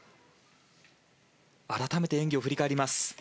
改めて演技を振り返ります。